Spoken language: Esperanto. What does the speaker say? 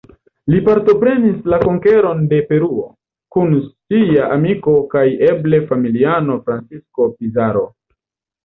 Li partoprenis la konkeron de Peruo, kun sia amiko kaj eble familiano Francisco Pizarro.